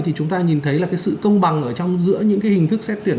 thì chúng ta nhìn thấy là cái sự công bằng ở trong giữa những cái hình thức xét tuyển